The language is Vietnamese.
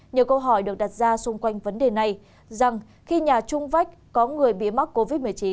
nhiều câu hỏi được đặt ra xung quanh vấn đề này rằng khi nhà trung vách có người bị mắc covid một mươi chín